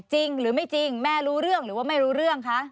จริงหรือไม่จริงแม่รู้เรื่องหรือว่าไม่รู้เรื่องคะ